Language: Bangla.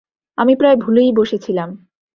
আমি প্রায় ভুলেই বসেছিলাম।